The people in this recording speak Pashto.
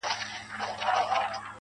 اوښکي نه راتویومه خو ژړا کړم.